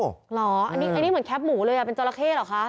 เหรออันนี้เหมือนแคปหมูเลยเป็นจราเข้เหรอคะ